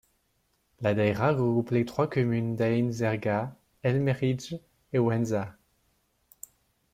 La daïra regroupe les trois communes d'Aïn Zerga, El Meridj et Ouenza.